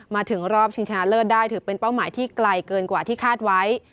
มาถึงรอบชิงชนะเลิศได้ถือเป็นเป้าหมายที่ไกลเกินกว่าที่คาดไว้